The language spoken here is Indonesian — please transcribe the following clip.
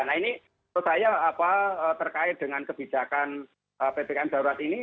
nah ini menurut saya terkait dengan kebijakan ppkm darurat ini